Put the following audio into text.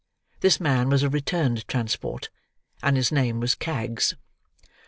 This man was a returned transport, and his name was Kags.